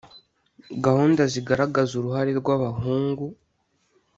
gahunda zigaragaza uruhare rw abahungu